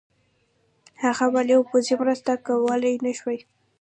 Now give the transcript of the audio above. هغه مالي او پوځي مرسته کولای نه شوای.